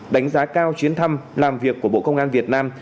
đánh giá cao chuyến thăm làm việc của bộ công an việt nam